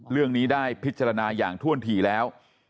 เรื่องนี้ได้พิจารณาอย่างท่วนถี่แล้ว